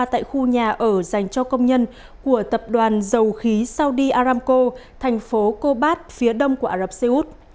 tại khu nhà ở dành cho công nhân của tập đoàn dầu khí saudi aramco thành phố kobat phía đông của ả rập xê út